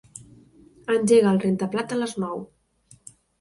Engega el rentaplats a les nou.